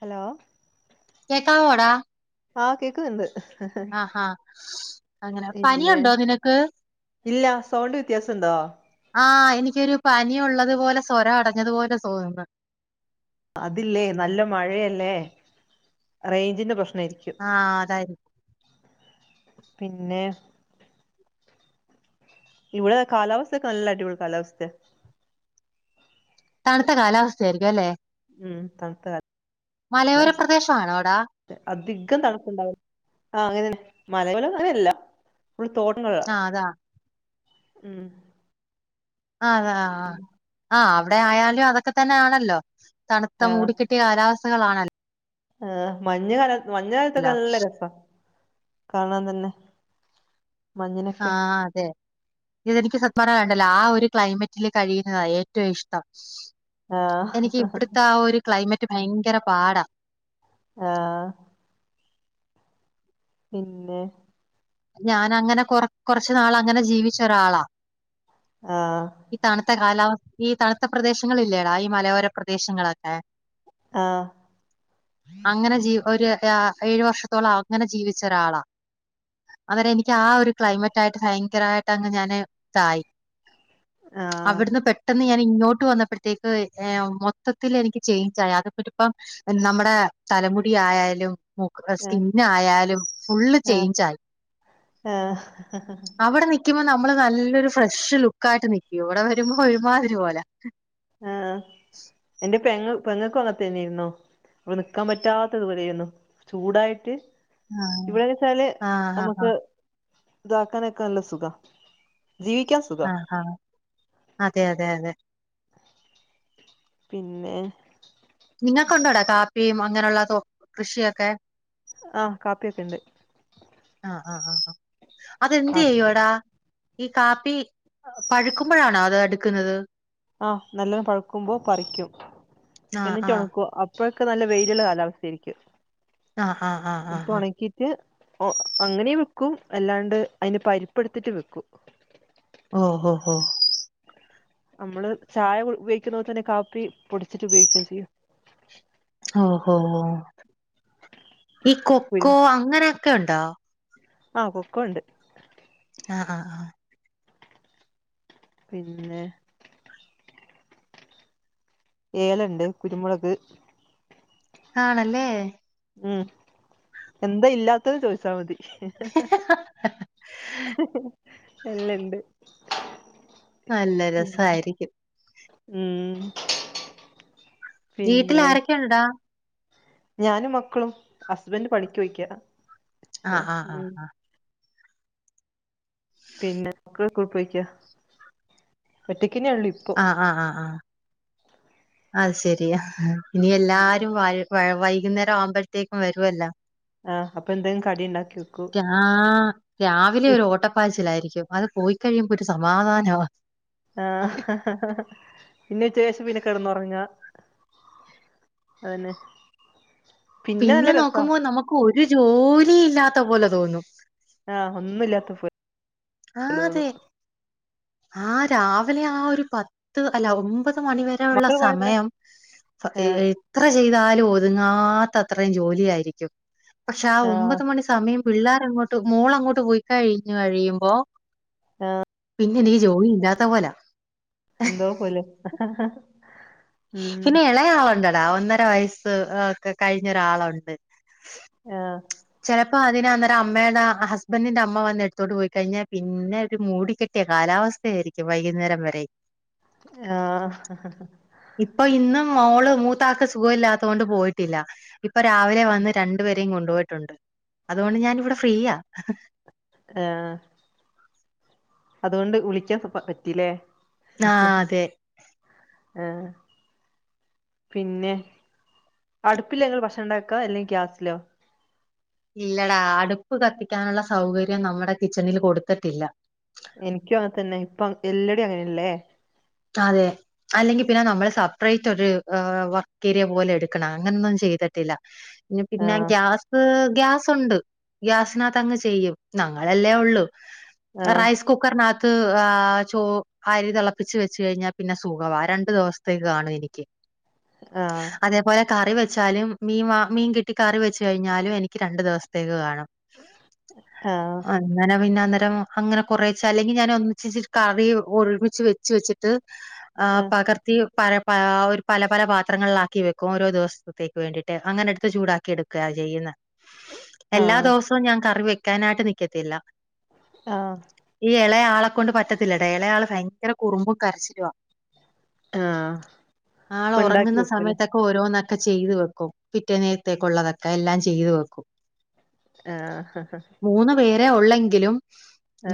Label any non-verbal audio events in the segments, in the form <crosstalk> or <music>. Hello കേക്കാവോടാ? ആഹ്, കേക്കുന്നുണ്ട്. ആ ആഹ് അങ്ങനെ പിന്നെ പനിയുണ്ടോ നിനക്ക്? ഇല്ല, സൗണ്ട് വ്യത്യാസണ്ടോ? ആഹ് എനിക്കൊരു പനി ഉള്ളത് പോലെ സ്വരം അടഞ്ഞതുപോലെ തോന്നുന്നു. അതില്ലേ നല്ല മഴയല്ലേ, റേഞ്ചിന്റെ പ്രശ്നായിരിക്കും. ആഹ് അതായിരി പിന്നെ? ഇവടെ കാലാവസ്ഥയക്കെ നല്ലടിപൊളി കാലാവസ്ഥയാ. തണുത്ത കാലാവസ്ഥയായിരിക്കും അല്ലെ? ഉം തണുത്ത മലയോര പ്രദേഷാണോടാ? അധികം തടസ്സണ്ടാവൂല ആ അങ്ങനെന്നെ മലയൊര അങ്ങനെയല്ല. ഫുള്ള് തോട്ടങ്ങളാ ആഹ് അതാ ഉം. ആഹ് അത ആഹ് ആഹ് ആ അവടെ ആയാലും അതൊക്കെ തന്നെ ആണല്ലോ തണുത്ത മൂടിക്കെട്ടി ടിയ കാലാവസ്ഥകളാആണല്ലേ. ഏഹ് മഞ്ഞ് കാല മഞ്ഞുകാലത്തൊക്കെ നല്ല രസാ കാണാൻ തന്നെ. മഞ്ഞിനൊക്കെ ആഹ് അതെ. ഇതെനിക്ക് സത്യ പറഞണ്ടല്ലോ ആ ഒരു ക്ലൈമറ്റില് കഴിയുന്നതാ ഏറ്റവും ഇഷ്ടം. ആഹ് എനിക്ക് ഇവിടത്തെ ആ ഒരു ക്ലൈമറ്റ് ഭയങ്കര പാടാ. ആഹ്. പിന്നെ. ഞാനങ്ങനെ കൊറ കൊറച്ച് നാള് അങ്ങനെ ജീവിച്ച ഒരാളാ. ആഹ് ഈ തണുത്ത കാലാവസ്ഥ ഈ തണുത്ത പ്രദേശങ്ങള ഇല്ലേടാ ഈ മലയോര പ്രദേശങ്ങളൊക്കെ? ആഹ് അങ്ങനെ ജീ ഒരുരാ ഏഴു വർഷത്തോളം അങ്ങനെ ജീവിച്ച ഒരാളാ. അങ്ങനെ എനിക്ക് ആഹ് ഒരു ക്ലൈമറ്റയിട്ട് ഭയങ്കരായിട്ട് അങ്ങ് ഞാന് തായി. ആഹ് അവിടുന്ന് പെ പെട്ടെന്ന് ഞാൻ ഇങ്ങോട്ട് വന്നപ്പോഴത്തേക്ക് ഏഹ് മൊത്തത്തിൽ എനിക്ക് ചേയ്ഞ്ചായി അത്പ്പപ്പം നമ്മുടെ തലമുടിയാലും. <unintelligible> ആഹ് സ്കിൻ ആയാലും ഫുള്ള് ആഹ് ചേഞ്ച് ആയി. ആഹ് അവിടെ നിക്കുമ്പോ നമ്മള് നല്ലൊരു ഫ്രഷ് ലുക്കായിട്ട് നിക്കും ഇവിടെ വരുമ്പോ ഒരുമാതിരി പോലെ. ആഹ് എന്റെ പെങ്ങ പെങ്ങൾക്കും അങ്ങൻതന്നെയിരുന്നു. വ നിക്കാൻ പറ്റാത്ത ഇതുപോലെയായിരുന്നു ചൂടായിട്ട്. ആഹ് ഇവിടെന്നച്ചാല് ആഹ് ആഹ് നമുക്ക് ഇതാക്കാൻ നൊക്കാ നല്ല സുഖ. ആഹ് ആഹ് അതെ അതെ അതെ. പിന്നെ. നിങ്ങക്കുണ്ടോടാ കാപ്പിയും അങ്ങനെയുള്ള തോ കൃഷിയൊക്കെ. ആഹ് കാപ്പിയൊക്കെണ്ട്. ആഹ് ആഹ് ആഹ് ആഹ് അതെന്ത് ചെയ്യോടാ? ഈ കാപ്പി പഴുക്കുമ്പോഴാണോ അത് എടുക്കുന്നത്? ആഹ് നല്ലോം പഴക്കുമ്പോ പറിക്കും ആ എന്നിട്ട് ആ ഉണക്കുവ അ ഇപ്പോഴൊക്കെ നല്ല വെയിലുള്ള കാലാവസ്ഥയിരിക്കും ആ ആ ആ ആ അപ്പ ആ ഉണക്കി റ്റ് ഒ അങ്ങനെ വെക്കും അല്ലാണ്ട് അയ്ന്റെ പരിപ്പെടുത്തിട്ട് വെക്കും. ഓ ഹൊ ഹൊ നമ്മള് ചായ കു ഉപയോഗിക്കുന്ന പോലെ തന്നെ കാപ്പി പൊടിച്ചിട്ട് ഉപയോഗിക്ക ചെയ്യ. ഓഹോ ഈ കുരു കൊക്കോ അങ്ങനെയൊക്കെണ്ടോ? ആഹ് കൊക്കോണ്ട്. ആഹ് ആഹ് ആഹ് പിന്നെ ഏലണ്ട് കുരുമുളക് ആണല്ലേ ഉം എന്താ ഇല്ലാത്തഹ് ചോയ്ച്ചാമതി എല്ലണ്ട് നല്ല രസായിരിക്കും ഉം വീട്ടിൽ പിന്നെ ആരൊക്കെണ്ടാ ഞാനും മക്കളും ഹസ്ബൻഡ് പണിക്കോയ്ക്ക ആഹ് ആഹ് ആഹ് ആഹ് പിന്ന ക്കുള്ക്ക്‌ പെയ്ക ഒറ്റക്ക്ന്നെള്ള് പ്പൊ ആഹ് ആഹ് ആഹ് അഹ് ശെരിയ ഇനി ഉം എല്ലാരും വഴ് വൈ വൈകുന്നേര ആവുമ്പഴത്തേക്കും വരുവല്ലോ ആഹ് അപ്പൊ എന്തെങ്കിലും കടി ഉണ്ടാക്കി വെക്കൂ രാ രാവിലെ ഒരു ഓട്ട പ്പാച്ചിലായിരിക്കും അത് പോയി കഴിയുമ്പോ ഒരു സമാധാനവ ആഹ് പിന്നെച്ചക്ക്ശേഷം പിന്നെ കിടന്ന് ഒറങ്ങാ അഹ് ന്നെ പിന്നെ നോക്കുമ്പോ നമുക്ക് ഒരു ജോലി ഇല്ലാത്ത പോലെ തോന്നും ആഹ് ഒന്നുല്ലാതെ ഫോ ആഹ് അതെ ആഹ് രാവിലെ ആഹ് ഒരു പത്ത് അല്ല ഒമ്പത് മണിവരെ നുള്ള മക്കള് പോയന്നെ സമയം പത് ഇ ആഹ് എത്ര ചെയ്താലും ഒതുങ്ങാത്ത അത്ര ജോലിയായിരിക്കും. പക്ഷെ ആ ആഹ് ഒമ്പത് മണിസ മയം പിള്ളേർ അങ്ങോട്ട് മോൾങ്ങോട്ട് പോയി കഴിഞ്ഞു കഴിയുമ്പോ, ആഹ പിന്നെ നി ജോലി ഇല്ലാത്ത പോല. എന്തോ പോലെ. ഉം പിന്നെ ഇളയാളുണ്ട്ടാ. ഒന്നര വയസ്സ്ക്കെ കഴിഞ്ഞൊരാളണ്ട്. ആഹ ചിലപ്പോ അതിന് അന്നേരം അമ്മയുടെ ഹസ്ബന്റിന്റെ അമ്മ വന്ന് എടുത്തോണ്ട് പോയി കഴിഞ്ഞാൽ പിന്നെ ഒരു മൂടി കെ ത്യ കാലാവസ്ഥാരിക്കും വൈകുന്നേരം വരെ. ആഹ ഇപ്പൊ ഇന്ന് മോള് മൂത്താക്ക് സുഖ ഇല്ലാത്തോണ്ട് പോയിട്ടില്ല. ഇപ്പൊ രാവിലെ വന്ന് രണ്ട്, രണ്ടു പേരെ കൊണ്ടുപോയിട്ടുണ്ട്. അതോണ്ട് ഞാനവിടെ ഫ്രീയാ. ആഹ അതോണ്ട് വുളിക്ക സ പ പറ്റില്ലേ. ആ അതെ ആഹ്. പിന്നെ അടുപ്പില് ങ്ങ ഭക്ഷണംണ്ടാക്കാ? അല്ലങ്കി ഗ്യാസിലോ? ഇല്ലടാ, അടുപ്പ് കത്തിക്കാനുള്ള സൗകര്യം നമ്മുടെ കിച്ചണില് കൊടുത്തിട്ടില്ല. എനിക്കും അങ്ങന തന്നെ. ഇപ്പം എല്ലടെ അങ്ങനെല്ലേ. അതെ. അല്ലെങ്കി പിന്നെ നമ്മള് സപ്പറേറ്റ് ഒരു വർക് ഏരിയ പോലെ എടുക്കണം, അങ്ങനൊന്നും ചെയ്തിട്ടില്ല. ഇഞ്ഞി പിന്നെ ആഹ് ഗ്യാസ് ഗ്യാസ്ണ്ട് ഗ്യാസിനത്തങ്ങ് ചെയ്യും. ഞങ്ങളല്ലേ ഉള്ളൂ. ആഹ് റൈസ് കുക്കറിനത്ത് ചോ അരി തെളപ്പിച്ച് വെ ച്ച കയ്ഞ്ഞ പിന്നെ സുഖവാ. രണ്ടു ദിവസത്തേക്ക് കാണു എനിക്ക്. ആഹ. അതേപോലെ കറി വെച്ചാലും, മീൻ വ മീൻ കിട്ടി കറി വെച്ച് കഴിഞ്ഞാലും, എനിക്ക് രണ്ട് ദിവസത്തേക്ക് കാണും. ആഹ അങ്ങനെ പിന്നെ അന്നരം, അങ്ങനെ കുറേച്ച അല്ലെങ്കി ഞാന് ഒന്നിച്ചച്ചിട്ട് കറി ഒരുമിച്ച് വെച്ച് വെച്ചി ട്ട് ആ ആഹ് പകർത്തി പ പ ഒരു പല പല പാത്രങ്ങളിലാക്കി വെക്കും. ഓരോ ദിവസ ത്തേക്ക് വേണ്ടിട്ട്. അങ്ങനെ എടുത്ത് ചൂടാക്കി എടുക്കുകയാ ചെയ്യുന്നെ. എല്ലാ ആഹ് ദിവസവും ഞാൻ കറി വെക്കാനായിട്ട് നിക്കത്തില്ല. ആഹ ഈ ഇളയാളെ കൊണ്ട് പറ്റത്തില്ലടാ. ഇളയാള് ഭയങ്കര കുറുമ്പും കരച്ചിലുവാ. ആഹ് ഇപ്പൊ ഇണ്ടാക്കി ആളൊറങ്ങുന്ന വെക്കൂല്ലേ സമയത്തെ ക്ക് ഓരോന്നൊക്കെ ചെയ്തു വെക്കും. പിറ്റെ നേരത്തേക്കുള്ള തൊക്കെ എല്ലാം ചെയ്തു വെക്കും. ആഹ ഹ മൂന്ന് പേരെ ഉള്ളെങ്കിലും,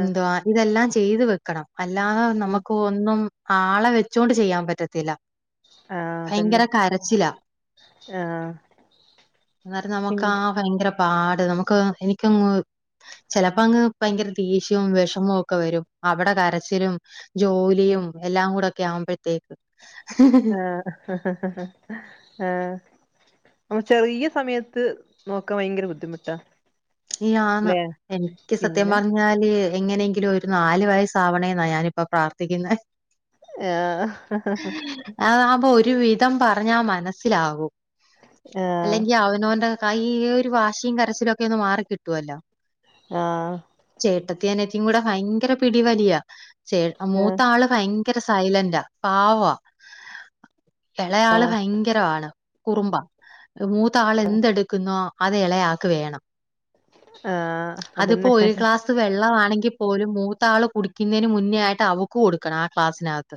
ആഹ് ഇതെല്ലാം ചെയ്ത് വെക്കണം. അല്ലാതെ ആഹ് നമുക്ക് ഒ ന്നും ആളെ വെച്ചോണ്ട് ചെയ്യാൻ പറ്റത്തില്ല. ആ അതന്നെ ഭയങ്കര കരച്ചിലാ. ആ. അന്നേരം നമുക്ക് ആ ഭയങ്കര പാട്. നമുക്ക് എനിക്കങ്ങ്, ചെലപ്പങ്ങ് ഭയങ്കര ദേഷ്യവും വിഷമവും ഒക്കെ വരും. അവിടെ കരച്ചിലും, ജോലിയും എല്ലാം കൂടെ ഒക്കെ ആവുമ്പഴത്തേക്ക്. ആ അഹഹഹഹ ആഹ്. നമ്മ ചെറിയ സമയത്ത് നോക്കാൻ ഭയങ്കര ബുദ്ധിമുട്ടാ. ഇ ആന്ന് ല്ലേ എനിക്ക് സത്യം പിന്നെ പറഞ്ഞ ഞാല് എങ്ങനെയെങ്കിലും ഒരു നാല് വയസാവണേന്നാ, ഞാനിപ്പൊ പ്രാർത്ഥിക്കുന്നെ. ആഹ് ആ അമ്പോ ഒരു വി തം പറഞ്ഞാൽ മനസ്സിലാകും. ആഹ് ആഹ് അല്ലെങ്കിൽ അവനോന്റെ കൈ ഒരു വാശിയും കരചിലും ഒക്കെ ഒന്ന് മാറി കിട്ടുവല്ലോ. ആ ചേട്ടത്തി അനിയത്തിയും കൂടെ ഭയങ്കര പിടി വലിയാ ചേ മൂത്ത ആഹ് ആള് - ഭയങ്കര സൈലന്റയാ പാവവ ഇളയാള് ആഹ് ഭയങ്കര- ഭയങ്കരവാണ് കുറുമ്പാ മൂത്താള് എന്തെടുക്കുന്നോ അത് എളയാക്ക് വേണം ആഹ് അതിപ്പോ അതന്നെ ഒരു ഗ്ലാസ്‌ - വെള്ളം ആണെങ്കിൽ പോലും മൂത്താ ആള് കുടിക്കുന്നതിന് മുന്നേ ആയിട്ട് അവക്ക് കൊടുക്കണം ആ ഗ്ലാസ്‌സിനാത്ത്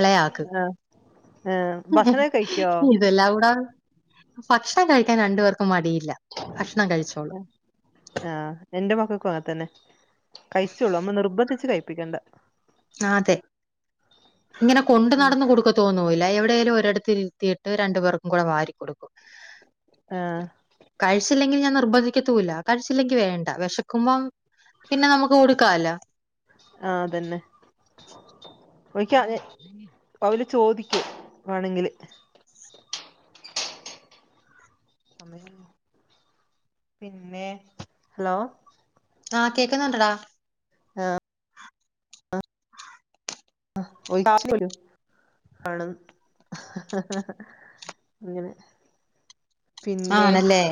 എളയാക്ക് ആഹ് ആഹ് ഭക്ഷണൊക്കെ കഴിക്കോ ഇതെല്ലായുടെ - ഭക്ഷണം കഴിക്കാൻ രണ്ടു പേർക്കും മടിയില്ല ഭക്ഷണം കഴിച്ചോളും ആ എന്റെ മക്കക്കൊ അങ്ങനത്തന്നെ. കഴിചോളും നമ്മ നിർബന്ധിച്ച് കഴപ്പിക്കണ്ട. അതെ ഇങ്ങനെ കൊണ്ട് നടന്ന് കൊടുക്കത്ത്- തോന്നൂല്ല എവിടെയേലും ഒരിടത്തിരുത്തിയിട്ട് രണ്ടുേപേർക്കും കൂടെ വാരി കൊടുക്കും ആഹ് കഴിച്ചില്ലെങ്കിൽ ഞാൻ നിർബന്ധിക്കത്തൂല്ല കഴിച്ചില്ലെങ്കി വേണ്ട വിശക്കുമ്പ - പിന്നെ നമുക്ക് കൊടുക്കാല്ലോ ആ തന്നെ <inaudible> ക്ക അവ <unintelligible> ല് ചോദിക്കു വേണെങ്കില് പിന്നെ ഹലോ ആഹ് കേക്കുന്നുണ്ടടാ ആഹ് <unintelligible> ആണ് ഹ ഹ ഹ അങ്ങനെ പിന്നെ ആണ് ഇല്ലേ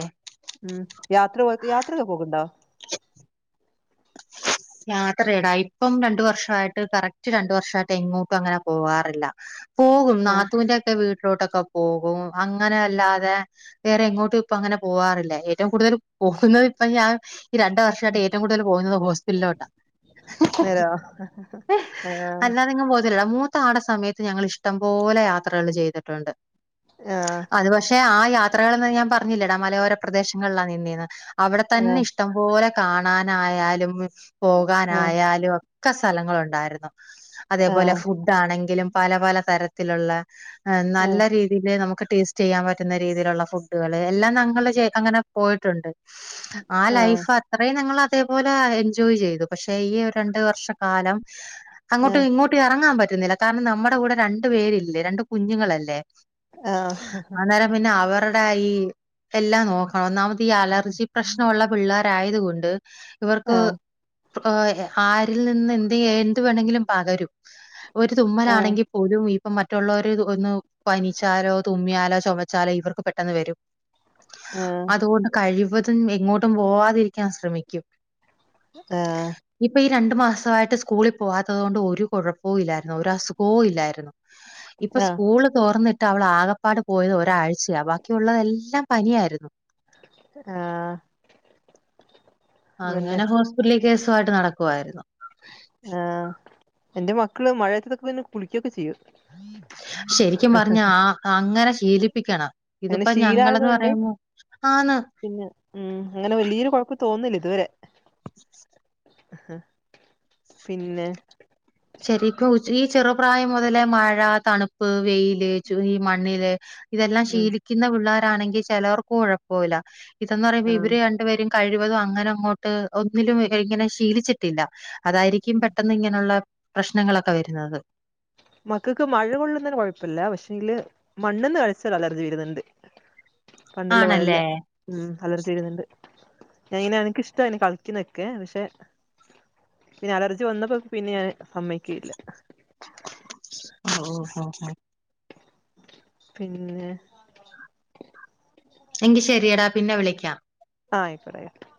ഉം യാത്ര പോ യാത്രൊക്കെ പോകണ്ടോ യാത്രയെടാ ഇപ്പം രണ്ടു വർഷ വായിട്ട് കറക്റ്റ് രണ്ട് വർഷമായിട്ട് എങ്ങോട്ടും അങ്ങനെ പോവാറില്ല പോകും ആഹ് നാത്തൂവിന്റെയൊക്കെ വീട്ടിലോട്ടൊക്കെ പോകും അങ്ങനെ അല്ലാതെ- വേറെ എങ്ങോട്ടും ഇപ്പ അങ്ങനെ പോവാറില്ല ഏറ്റവും കൂടുതല് പോകുന്നത് ഇപ്പ ഞാൻ- ഈ രണ്ട് വർഷമായിട്ട് ഏറ്റവും കൂടുതല് പോകുന്നത് ഹോസ് - യില്ലോട്ട നേരോ ആഹ് അല്ല - എങ്ങും പൊതില്ലടാ മൂത്തയാടെ സമയത്ത് ഞങ്ങള് ഇഷ്ടം പോലെ യാത്രകള് ചെയ്തിട്ടുണ്ട് ആഹ് അത് പക്ഷേ ആ യാത്രകൾയെന്ന് ഞാൻ പറഞ്ഞില്ലെടാ മലയോര പ്രദേശങ്ങളില നിന്നെന്ന് അവിടെ തന്നെ ആഹ് ഇഷ്ട- ഇഷ്ടം പോലെ കാണാനായാലും ആഹ് പോകാനായാലും ഒക്കെ സ്ഥലങ്ങളുണ്ടായിരുന്നു അതേപോലെ ആഹ് ഫുഡാണെങ്കിലും പല പല തരത്തിലുള്ള ആഹ് നല്ല രീതി- രീതിൽ നമുക്ക് ടേസ്റ്റ് ചെയ്യാൻ പറ്റുന്ന രീതിയിലുള്ള ഫുഡുകള് എല്ലാം ഞങ്ങള് അങ്ങനെ പോയിട്ടുണ്ട് ആ ആഹ് ലൈഫ് അത്രയും ഞങ്ങള് അതേപോലെ എൻ - എൻജോയ് ചെയ്തു പക്ഷെ ഈ രണ്ട് വർഷ കാലം ആഹ് അങ്ങോട്ടും ഇങ്ങോട്ടു - ട്ട് എറങ്ങാൻ പറ്റുന്നില്ല കാരണം നമ്മടെ കൂടെ രണ്ടു പേരില്ലേ രണ്ട് കുഞ്ഞുങ്ങളല്ലേ- ആഹ ഹ ഹ ഹ അന്നേരം പിന്നെ അവരുടെ ഈ എല്ലാം നോക്കണം ഒന്നാമത് ഈ അലർജി പ്രശ്നം ഒള്ള - പിള്ളാരായത് കൊണ്ട് ഇവർക്ക്- ആഹ് ആരിൽ നിന്ന് എന്ത് എന്ത് വേണമെങ്കിലും പകരും ഒരു ആഹ് തുമ്മനാണെങ്കി- പോലും ഇപ്പ മറ്റുള്ളവർക്ക് ഒന്ന് പനിച്ചാലോ തുമ്മിയാലോ ചോമച്ചാലോ ഇവർക്ക് പെട്ടെന്ന് വരും ആഹ് അതുകൊണ്ട് കഴിവതും എങ്ങോട്ടും പോവാതിരിക്കാൻ ശ്രമിക്കും ആഹ് ഇനി ഇപ്പൊ ഈ രണ്ടു മാസമായിട്ട് സ്കൂളിൽ പോവാത്തോണ്ട് ഒരു കൊഴപ്പവും ഇല്ലായിരുന്നു ഒരു അസുഖവും ഇല്ലായിരുന്നു ഇപ്പൊ ആഹ് സ്കൂള് തോറന്നിട്ട് അവള് ആകെ - ആകെപ്പാട് പോയത് ഒരാഴ്ചയ ബാക്കിയുള്ളള്ളതെല്ലാം പനിയായിരുന്നു ആഹ് അതന്നെ അങ്ങനെ ഹോസ്പിറ്റലിൽ കേസുമായിട്ട് നടക്കുവായിരുന്നു ആഹ് എന്റെ മക്കള് മഴയത്തതൊക്കെ പിന്നെ കുളിക്കൊക്കെ ചെയ്യും ശരിക്കും പറഞ്ഞാ <unintelligible> അങ്ങനെ ശീലിപ്പിക്കണം അങ്ങനെ ഇതിപ്പോ ശീലായത് ഞങ്ങളന്ന് കൊണ്ട് പറയുമ്പോ ആന്ന് പിന്നെ ഉം അങ്ങനെ വലിയൊരു കൊഴപ്പ തോന്നില്ല ഇതുവരെ <unintelligible> ഹ് പിന്നെ ശെരിക്കു <unintelligible> ഈ ചെറുപ്രായം മുതലേ മഴ തണുപ്പ് വെയില് ചൂ ഈ മണ്ണില് ഇതെല്ലാം ഉം ശീലിക്കുന്ന പിള്ളരാണെങ്കിൽ ചിലവർക്കു കുഴപ്പൊല്ല ഇതെന്ന് പറയുമ്പോ ആഹ് ഇവര് രണ്ടുപേരും കഴിവതും അങ്ങനെ അങ്ങോട്ട് ഒന്നിലും ഇങ്ങനെ ശീലിച്ചിട്ടില്ല അതായിരിക്കും പെട്ടെന്നിങ്ങനുള്ള പ്രശ്നങ്ങളൊക്കെ വരുന്നത് മക്കക്ക് മഴ കൊള്ളുന്നന് കുഴപ്പല്ല പക്ഷെങ്കില് മണ്ണന്ന് കളിച്ചാൽ അലർജി വരുന്നുണ്ട് പണ്ടുള്ള പോലെല്ല ആണല്ലേ? ഉം അലർജി ഇരുന്നുണ്ട് ഇങ്ങനെ അനിക്കിഷ്ടാ കളക്കിന്നൊക്കെ പക്ഷെ പിന്നെലർജി വന്നപ്പോ പിന്നെ ഞാൻ സമ്മയ്ക്കയില്ല ഓ ഹ ഹ പിന്നെ എങ്കി ശരിയടാ പിന്നെ വിളിക്കാം ആ ആയിക്കോട്ടെ <unintelligible>